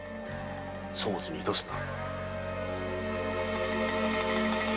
粗末に致すな。